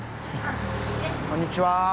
こんにちは。